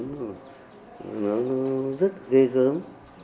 nó rất ghê gớm